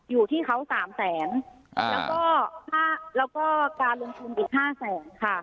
อยู่ที่เขาสามแสนแล้วก็แล้วก็การลงทุนอีกห้าแสนค่ะ